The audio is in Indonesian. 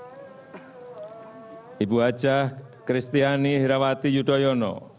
sebuah jahat kristiani hirawati yudhoyono